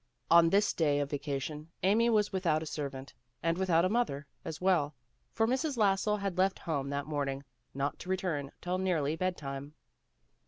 On this first day of vacation Amy was without a servant, and without a mother, as well; for Mrs. Lassell had left home that morning not to return till nearly bed time.